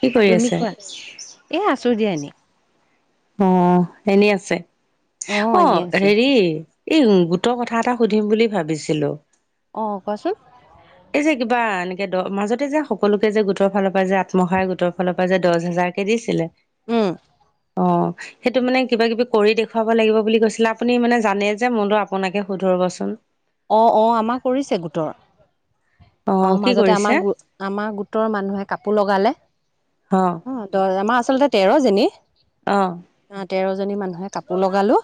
কি কৰি তুমি আছে? খোৱা, এ আছো দিয়া এনে। অ এনে আছে, অ এনেই আছো হেৰি এই গোটৰ কথা এটা সুধিম বুলি ভাবিছিলো। অ কোৱাচোন? এই যে কিবা এনেকে দ মাজতে যে সকলোকে যে গোটৰ ফালৰ পৰা যে আত্মসহায়ক গোটৰ ফালৰ পৰা যে দহ হাজাৰকে দিছিলে। উম। অ। সেইটো মানে কিবা কিবি কৰি দেখুৱাব লাগিব বুলি কৈছিলে আপুনি মানে জানে যে মনটো আপোনাকে শুধৰবচোন। অ অ আমাৰ কৰিছে গোটৰ, অ কি মাজতে কৰিছে? আমাৰ গো আমাৰ গোটৰ মানুহে কাপোৰ লগালে অ। অ দহ, মা আচলতে তেৰজনী। অ। অ তেৰজনী মানুহে কাপোৰ লগালো।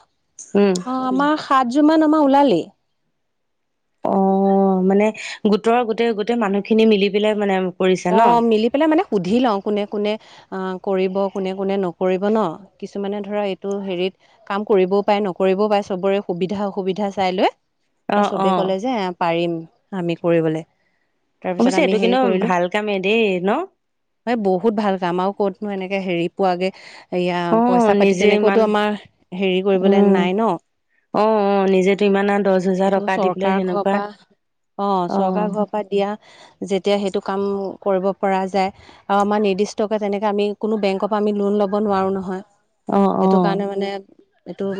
উম। অঁ আমাৰ সাতযোৰ মান আমাৰ ওলালেই। অ মানে গোটৰ গোটেই গোটেই মানুহখিনি মিলি পেলাই মানে কৰিছে অ ন? মিলি পেলাই মানে সুধি লওঁ কোনে কোনে অ কৰিব কোনে কোনে নকৰিব ন কিছুমানে ধৰা এইটো হেৰিত কাম কৰিবও পাৰে নকৰিবও পাৰে যে চবৰে সুবিধা অসুবিধা চাই লৈ এতা অ', চবেই অ', ক'লে যে পাৰিম আমি কৰিবলে। তাৰপিছত অৱশ্যে আমি এইটো হেৰি কিন্তু ভাল কামেই দেই ন? এ বহুত ভাল কাম আৰু কতনো এনেকে হেৰি পোৱাগে এয়া, অ পইচা পাতি নিজে ইমান তেনেকৈতো আমাৰ হেৰি কৰিবলৈ উম নাই ন। অ অ নিজেতো ইমান আৰু দহ হোজাৰ এইটো টকা দি পেলাই চৰকাৰ ঘৰৰ সেনেকুৱা পৰা, অ' চৰকাৰ ঘৰ পা দিয়া যেতিয়া সেইটো কাম কৰিব পৰা যায়। আৰু আমাৰ নিৰ্দিষ্টকে তেনেকে আমি কোনো বেংকৰ পৰা আমি লোন ল'ব নোৱাৰো নহয়। অ' অ' সেইটো কাৰণে মানে এইটো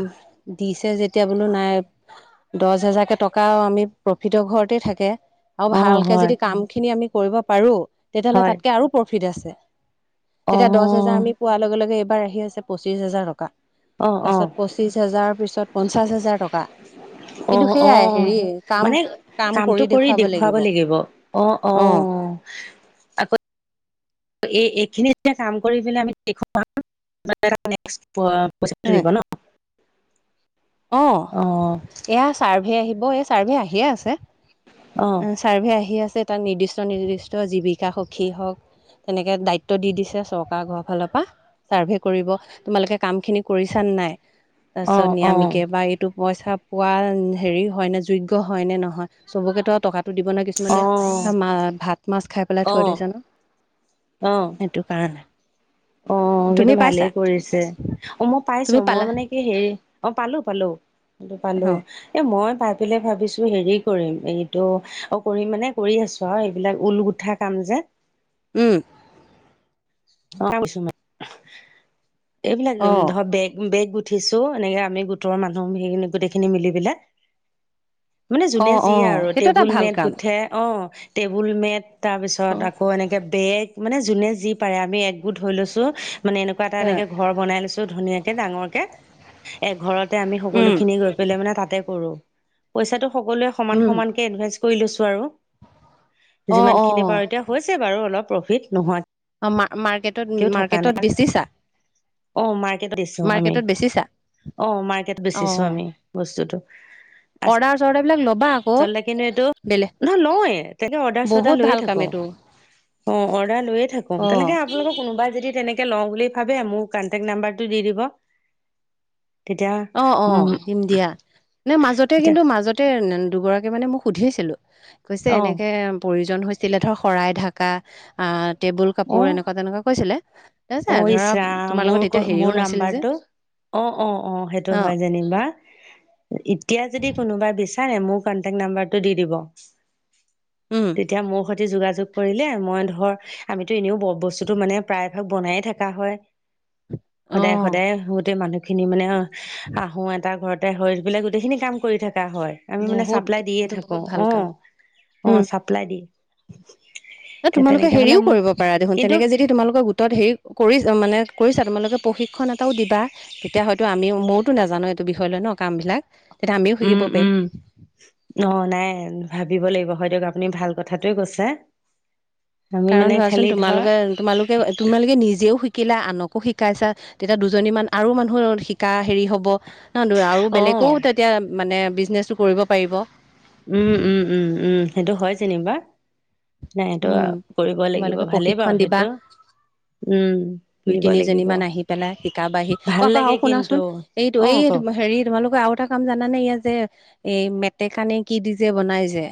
দিছে যেতিয়া বোলো নাই দচ হেজাৰকে টকা আমি প্ৰফিতৰ ঘৰতে থাকে। অ, ভালকে যদি কাম খিনি আমি কৰিব পাৰো তেতিয়াহ'লে হয় তাতকে আৰু প্ৰফিট আছে। অ তেতিয়া দছ হেজাৰ আমি পোৱাৰ লগে-লগে এইবাৰ আহি আছে পঁচিছ হাজাৰ টকা অ অ তাছত পঁচিছ হাজাৰৰ পিছত পঞ্চাছ হোজাৰ টকা। অ কিন্তু অ সেয়াই হেৰি মানে কাম-কাম কৰি দেখুৱাব লাগিব অ। আকৌ এই -এইখিনি যেতিয়া কাম কৰি পেলাই আমি দেখুৱাম [unintelligible] নেক্সট পইচা হ টো দিব ন? অ' এয়া চাৰ্ভে আহিব এই চাৰ্ভে আহিয়ে আছে। অ', ছাৰ্ভে আহি আছে তাত নিৰ্দিষ্ট - নিৰ্দিষ্ট জীৱিকা সখী হওক তেনেকে দায়িত্ব দি দিছে চৰকাৰ ঘৰৰ ফালৰ পা। চাৰ্ভে কৰিব তোমালোকে কাম খিনি কৰিছা নে নাই অ তাৰপিছত অ নিয়ামিকে বা এইটো পইচা পোৱা হেৰি হয় নে যোগ্য হয় নে নহয় চবকে তো আৰু টকাটো দিব নোৱাৰে কিছু মানে ধৰা [unintelligible] অ মা ভাত মাছ খাই পেলাই থৈ দিচে ন' অ অ সেইটো কাৰণে। অ, তুমি সেইটো পাইছা ভালেই কৰিছে অ' মই তুমি পাইছো মই পালা মানে কি হেৰি অ' পালো-পালো এইটো পালো অ এ মই পা [unintelligible] ভাবিছোঁ হেৰি কৰিম এইটো অ' কৰিম মানে কৰি আছোঁ আৰু এইবিলাক ঊল কাম যে। উম। [unintelligible] এইবিলাক অ ধৰ বেগ- বেগ গো উঠিছো এনেকে আমি গোটৰ মানুহ [unintelligible] গোটেইখিনি মিলি পেলে মানে অ যোনে যি অ আৰু সেইটো এটা টেবুল ভাল মেট কাম গোঠে অ' টেবুল মেট তাৰপিছত আকৌ এনেকে বেগ মানে যোনে যি পাৰে আমি একগোট হৈ লৈছো মানে এনে কোৱা এটা এ এনেকে ঘৰ বনাই লৈছো ধুনিয়াকে ডাঙৰ কে এ ঘৰতে আমি সকলো উম খিনি গৈ গৈ পেলাই মানে তাতে কৰোঁ পইচা টো সকলোৱে উম সমান-সমান কে ইনভেষ্ট কৰি লৈছো আৰু অ যিমান অ খিনি পাৰো এতিয়া হৈছে বাৰু অলপ প্ৰফিট নোহোৱা অ' মা-মাৰ্কেটত-মাৰ্কেটত বেছিছা? অ' মাৰ্কেট [unintelligible] দিছো আমি বেচিছা অ' মাৰ্কেট অ বেচিছো আমি বস্তুটো। অৰ্ডাৰ -চৰ্ডাৰ বিলাক ল'বা আকৌ আচলতে কিন্তু এইটো বেলেগ নহয় লওৱে তেনে বহুত অৰ্ডাৰ-চৰ্ডাৰ ভাল লৈয়ে কাম থাকো। এইটো অ' অৰ্ডাৰ লৈয়ে থাকো অ এতিয়ালৈকে আপোনালোকক কোনোবাই যদি তেনেকে লও বুলি ভাবে মোৰ কাণ্টেক্ট নাম্বাৰ টো দি দিব। তেতিয়া অ', অ', উম দিম দিয়া এনে মাজতে এতিয়া কিন্তু মাজত তে নে দুগৰাকি মানে মোক সুধিছিলোঁ কৈছে অ এনেকে প্ৰয়োজন হৈছ চিলে ধৰ শৰাই ঢাকা আ টেবুল কাপোৰ অ এনেকুৱা তেনেকুৱা কৈছিলে [unintelligible] অ আৰু ইচ ধৰা ৰাম তোমাৰ মোৰ লগত তেতিয়া ক- মোৰ হেৰিও নাছিলে যে নাম্বাৰটো অ' অ' অ' সেইটো হয় যেনিবা। এতিয়া যদি কোনোবাই বিচাৰে মোৰ কাণ্টেক্ট নাম্বাৰটো দি দিব। উম তেতিয়া মোৰ সৈতে যোগাযোগ কৰিলে মই ধৰ আমিতো এনেও ব-বস্তুটো মানে প্ৰায় ভাগ বনায়ে থাকা হয় অ সদায়ে-সদায়ে গোতেই মানুহখিনি মানে অহ [unintelligible] এটা ঘৰতে হৈ বোলে গোটেইখিনি কাম কৰি থাকা হয়। আমি মানে বহুত চাপ্লাই দিয়ে এইটো থাকো বহুত ভাল অ' কাম অ' উম চাপ্লাই দি [unintelligible] তে তোমালোকে তেনেকে হলে হেৰিও মোক কৰিব পাৰা দেখোন কিন্তু তেনেকে যদি তোমালোকৰ গোটত হেৰি কৰি মানে কৰিছা তোমালোকে প্ৰশিক্ষণ এটাও দিবা তেতিয়া হয়তো আমিও মওতো নাজানো এইটো বিষয় লৈ ন' কাম বিলাক তেতিয়া আমিও উম শিকিব উম পাৰিম। অ, নাই ভাবিব লাগিব হয় দিয়ক আপুনি ভাল কথাটোৱে কৈছে। আমি কাৰণ মানে ধৰাচোন খালি ধৰ তোমালোকে-তোমালোকে তোমালোকে নিজেও শিকিলা আনক [unintelligible] শিকাইছা তেতিয়া দুজনী মান আৰু মানুহ শিকা হেৰি হ'ব ন' আৰু অ বেলেগো তে তেতিয়া মানে বিজনেচটো কৰিব পাৰিব। উম, উম, উম, উম সেইটো হয় যেনিবা নাই এইটো উম কৰিব লাগিব, তোমালোকে ভালেই প্ৰশিক্ষণ বাৰু দিবা সেইটো। উম দুই, দিব তিনিজনী লাগিব মান আহি পেলাই শিকাবাহি, অ ভাল আকৌ লাগে আৰু কিন্তু শুনাচোন এইটো অ এই কওক তুম হেৰি তোমালোকৰ আৰু এটা কাম জানা নে, ইয়া যে এই মেটেকানে কি দি যে বনাই যে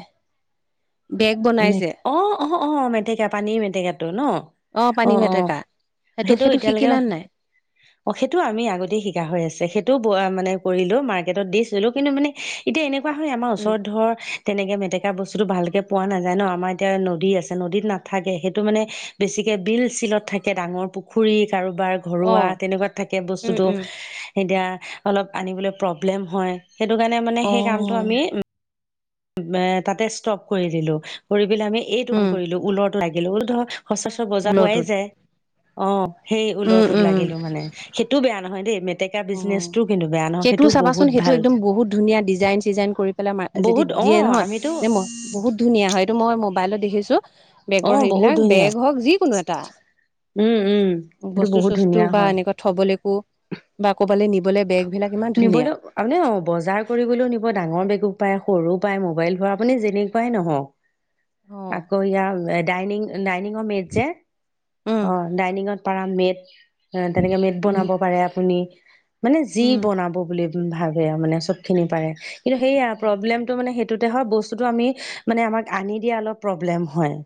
বেগ বনাই মেত যে অ- অ -অ মেটেকা, পানীৰ মেটেকাটো ন? অ, পানী অ, মেটেকা সেইটো এতিয়ালৈকে অ সেইটোও আমি আগতে শিকা হৈ আছে। সেইটোও মানে কৰিলো মাৰ্কেটত দিচিলো কিন্তু মানে এতিয়া এনেকুৱা হয় আমাৰ উম ওচৰত ধৰ তেনেকে মেটেকা বস্তুটো ভালকে পোৱা নাযায় ন, আমাৰ এতিয়া নদী আছে নদীত নাথাকে সেইটো মানে বেছিকে বিল চিলত থাকে ডাঙৰ পু পুখুৰী কাৰোবাৰ অ ঘৰুৱা তেনেকুৱাত থাকে উম বস্তুটো, উম এতিয়া অলপ আনিবলৈ প্ৰব্লেম হয়। সেইটো কাৰণে মানে অ সেই কামটো আমি তাতে ষ্টপ কৰি দিলো, কৰি পেলাই আমি এইটো কাম উম কৰিলো উলৰ লাগিলো। বুলো ধৰ সচ বজাৰত ঊলৰটো পোৱাই যায়। অ সেই উম ঊলৰটোত লাগিলো মানে সেইটো বেয়া নহয় দেই। মে টেকা উম বিজনেছটো সেইটোও চাবাচোন সেইটো একদম বহুত ধুনীয়া ডিজাইন চিজাইন কৰি পেলাই মাৰ যদি বহুত অ দিয়ে নহয় আমিতো বহুত ধুনীয়া হয় এইটো মই মোবাইলত দেখিছো অ বেগৰ বহুত সেইবিলাক, ধুনীয়া বেগ হওক যিকোনো এটা উম উম সেইটো বস্তু বহুত চস্তু ধুনীয়া বা হয় এনেকুৱা থবলৈকো বা ক'বালে নিবলে বেগ বিলাক ইমান ধুনীয়া নিবলে আপুনি অ বজাৰ কৰিবলৈও নিব, ডাঙৰ বেগো পাই, সৰু পায়, মোবাইল ভৰাৱ, আপুনি যেনেকুৱাই নহওক অ আকৌ ইয়াৰ ডাইনিং -ডাইনিংৰ মেট যে? উম অ ডাইনিঙত পাৰা মেট, তেনেকে মেট উম বনাব পাৰে আপুনি মানে যি উম বনাব বুলি ভাবে মানে চব খিনি পাৰে, কিন্তু সেইয়া প্ৰব্লেম টো মানে সেইটোতে হয় বস্তুটো আমি মানে আমাক আনি দিয়া অলপ প্ৰব্লেম হয়।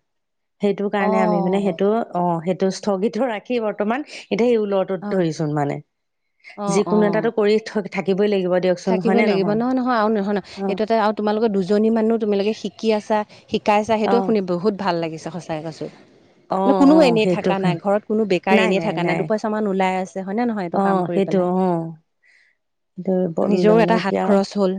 সেইটো অ কাৰণে আমি মানে সেইটো অ, সেইটো স্থগিত ৰাখি বৰ্তমান এতিয়া সেই উলত অ ধৰিচোন মানে, অ অ যিকোনো এটাটো কৰি থ থাকিবই লাগিব দিয়ক থাকিবই লাগিব। নহয়- নহয় আৰু নহয় ন এইটো আৰু তোমালোকৰ দুজনী মানুহ তোমালোকে শিকি আছা শিকাইছা, অ সেইটোৱে শুনি বহুত ভাল লাগিছে সঁচাই কৈছো। অ ন কোনো অ এনেই সেইটো থাকা নাই, কাৰণে ঘৰত কোনো বেকাৰ এনেই থকা নাই, দুপইচা মান ওলাই আছে হয় নে নহয় এইটো অ কাম কৰি সেইটো পেলাই। অ সেইটো নিজৰো মানে এটা কি হাত আও খৰচ হ'ল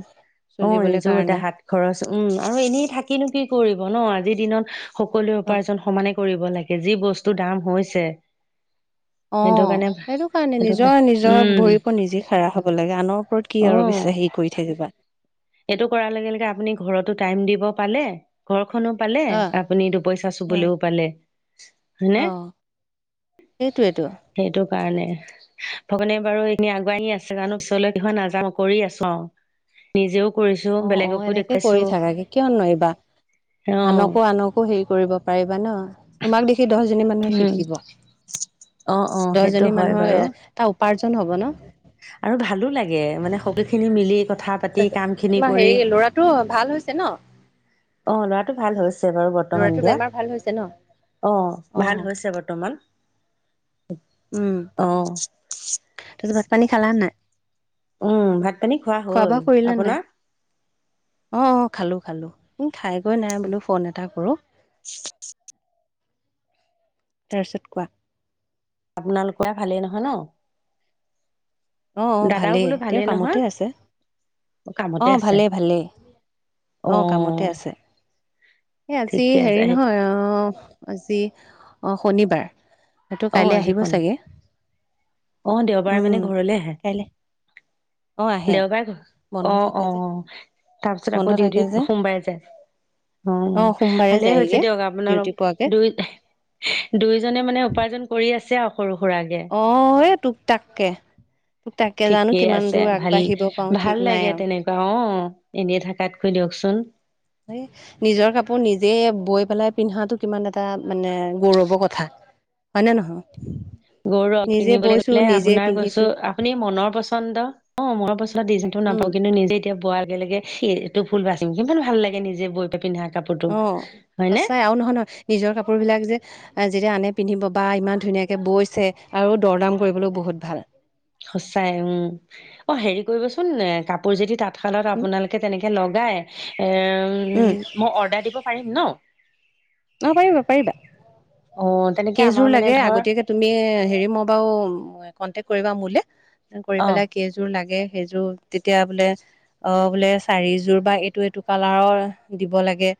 অ চলিবলৈ নিজেও এতে কাৰণে হাত খৰচ, উম আৰু এনেই থাকিনো কি কৰিব ন আজিৰ দিনত সকলোৱে উপাৰ্জন সমানে কৰিব লাগে, যি বস্তুৰ দাম হৈছে অ। সেইটো কাৰণে সেইটো কাৰণে কাৰ নিজৰ- নিজৰ উম ভৰিৰ ওপৰত নিজে খাৰা হ'ব লাগে আনৰ ওপৰত কি অ আৰু পিছে হেৰি কৰি থাকিবা। এইটো কৰাৰ লগে লগে আপুনি ঘৰতো টাইম দিব পালে ঘৰখনো পালে, অ আপুনি দুপইচা চুবলৈও পালে, হয় নে? সেইটোৱে তো। সেইতো কাৰণে। ভগৱানে বাৰু এনেই আগুৱাই় নি আছে জানো পিছলৈ কি হয় নাযানো কৰি আছোঁ আৰু। নিজেও কৰিছো‍ঁ অ অ বেলেগকো এনেকে কৰি দেখাইছোঁ। থাকাকে কিয় নোৱাৰিবা আনকো, আনকো হেৰি কৰিব পাৰিবা ন? তোমাক দেখি দহ এজনী মানুহে উম শিকিব, অ অ সেইটো দহজনী হয় মানুহৰ বাৰু এ-এটা উপাৰ্জন হ'ব ন? আৰু ভালো লাগে, মানে সকলোখিনি মিলি, কথা পাতি কামখিনি কৰি। টো ভাল হৈছে ন? অহ, ল'ৰাটো ভাল হৈছে। বেমাৰ বৰ্তমান ল'ৰাটোৰ এতিয়া, বেমাৰ ভাল হৈছে ন? অহ অ ভাল হৈছে বৰ্তমান। উম অহ। তাৰপিছত ভাত পানী খালানে নাই? উম, ভাত পানী খোৱা হ'ল। আপোনাৰ? অহ', অ' খালোঁ খালোঁ। এ খায় বৈ নাই বোলো ফোন এটা কৰোঁ। তাৰপিছত কোৱা? আপোনালোকৰ ভালেই নহয় ন? অহ', অহ' দাদাও ভালেই। বোলো তেওঁ নহয় কামতে আছে। কামতে অহ, আছে ভালেই-ভালেই। অ অহ, কামতে আছে। এ আজি ঠিকে আছে হেৰি আহ নহয় অ আজি অহ, শনিবাৰ। তেওঁটো অ কাইলে আহিব আজিখনে চাগে, অ দেওবাৰে উম মানে ঘৰলে আহে কাইলে অ আহে দেওবাৰে ঘ' বন্ধ অহ', থাকে যে অহ' তাৰপিছত বন্ধ আকৌ থাকে যে ডিউটিত সোমবাৰে যায়। অহ', অ অহ' সোমবাৰে ভালেই হৈছে যায়গে দিয়ক। আপোনালোক ডিউটি পোৱাকে দুইটাই দুয়োজনে মানে উপাৰ্জন কৰি আছে আৰু সৰু -সুৰাকে। অহ, এই তোক-তাককে, তাকে জানোঁ ঠিকেই কিমান দূৰ আগবাঢ়িব পাৰো ঠিক নাই আৰু। অহ, এনেই থাকাতকৈ দিয়কচোন। হয়ে। নিজৰ কাপোৰ নিজে বৈ পেলাই পিন্ধাটো কিমান এটা মানে গৌৰৱৰ কথা। হয়নে নহয়? গৌৰৱ, নিজে কিনিবলৈ বৈছো গ'লে নিজে আপোনাৰ কৈছোঁ, পিন্ধিছো আপুনি মনৰ পচন্দ অহ, মন পচন্দ দিজাইনটো উম নাপওঁ, কিন্তু নিজে এতিয়া বোৱাত কি লাগে সেইটো ফুল বাচিম। কিমান ভাল লাগে নিজেই বৈ পেলাই পিন্ধা। কাপোৰটো অহ, হয়নে? সঁচাই আৰু নহয়-নহয় নিজৰ কাপোৰবিলাক যে যেতিয়া আনে পিন্ধিব বা ইমান ধুনীয়াঁকে বৈছে আৰু দৰদাম কৰিবলৈও বহুত ভাল। সচাই উম, অহ হেৰি কৰিবচোন এ কাপোৰ যেদি তাঁত শালত উম আপোনালোকে তেনেকে লগাই, এ উম ম' অৰ্ডাৰ দিব পাৰিম ন? অহ, পাৰিবা-পাৰিবা, অ তেনেকে আমাৰ কেইযোৰ মানে লাগে ধৰ আগতীয়াকে তুমি হেৰি, মই বাৰু কন্টেক কৰিবা মোলে, কৰি অ পেলাই কেইযোৰ লাগে, কেইযোৰ তেতিয়া বোলে অহ, বোলে চাৰিযোৰ বা এইটো এইটো কালাৰৰ দিব লাগে।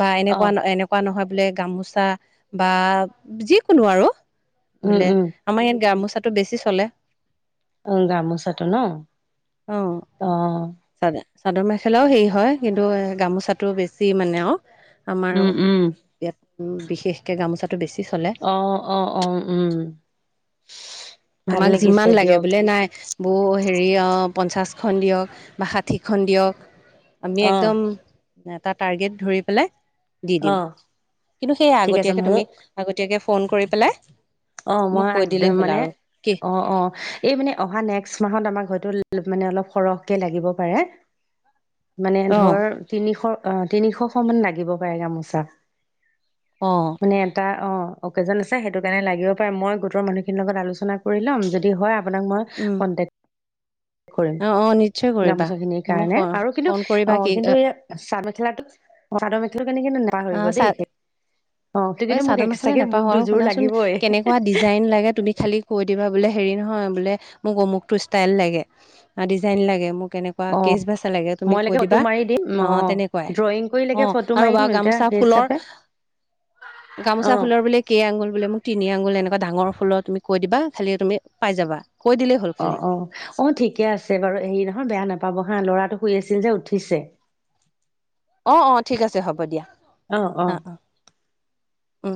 বা অ এনেকুৱা নহয়, এনেকুৱা নহয় বোলে গামোচা বা যিকোনো আৰু। উম, বোলে, উম, আমাৰ ইয়াত গামোচাটো বেছি চলে। উম, গামোচাটো ন' অহ। চাদৰ-চাদৰ মেখেলাও হেৰি হয় কিন্তু গামোচাটো বেছি মানে আৰু। আমাৰ উম', উম'। ইয়াত বিশেষকে গামোচাটো বেছি চলে। অ', অ', অ', উম, ভাল তোমাক যিমান লাগিছে লাগে দিয়ক। বোলে নাই। বৌ হেৰি অহ, পঞ্চাছখন দিয়ক বা ষাঠিখন দিয়ক। আপুনি অ', একদম এটা টাৰ্গেট ধৰি পেলাই দি দিম অহ। কিন্তু সেইয়া আগতীয়াকে তুমি, আগতীয়াকে ফোন কৰি পেলাই অ' মোক মই কৈ দিলেই আদম হ'ল মানে, আৰু কি অ' অ'। এই মানে অহা নেক্সট মাহত আমাক হয়তো মানে অলপ সৰহকে লাগিব পাৰে। মানে অ ধৰ তিনিশ অহ তিনিশ শ মান লাগিব পাৰে গামোচা। অ মানে এটা অ', অ'কেজন সেইটো কাৰণে লাগিব হয় মই গোটৰ মানুহখিনিৰ লগত আলোচনা কৰি ল'ম যদি হয় আপোনাক মই উম কণ্টেক্ট কৰিম। কৰিম অ অ নিশ্চয় কৰিবা গামোছা খিনিৰ মোক কাৰণে আৰু কিন্তু ফোন কৰিবা অ' কি কিন্তু এই চাদ মেখেলাটোক চাদৰ মেখেলাটো কেনে কিন্তু নাপাহৰিব দেই। অ সেইটো মানে কিন্তু মোক চাদৰ মেখালা এক্সট্ৰাকে মোক নাপাহৰো আৰু দুযোৰ শুনা চোন লাগিবই কেনেকোৱা ডিজাইন লাগে তুমি খালি কৈ দিবা বোলে হেৰি নহয় বোলে মোক অমুকটো ষ্টাইল লাগে ডিজাইন লাগে মোক এনে বা অ কেচ বচা লাগে তুমি মই কৈ লেকে ফটো দিবা মাৰি দিম অ' তেনেকুৱাই ড্ৰয়িং কৰিলেকে অ' ফটো আৰু মাৰি বা' দিম এতিয়া গামোচা সেই ফুলৰ হিচাপে গামোচা অ ফুলৰ বোলে কেই আংঙুল বোলে মোক তিনি আঙুল এনেকুৱা ডাঙৰ ফুলৰশলি তুমি এই পাই যাবা কৈ দিলে হ'ল খালি অ'‌অ' অ' ঠিকে আছে বাৰু হেৰি নহয় বেয়া নাপাব হা ল'ৰাটো শুই আছিল যে উঠিছে। অ' অ' ঠিক আছে হ'ব দিয়া। অ' অ'। উম